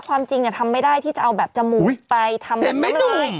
ความจริงทำไม่ได้ที่จะเอาแบบจมูกไปทำแบบนั้นเลย